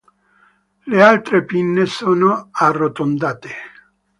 Le altre pinne sono arrotondate.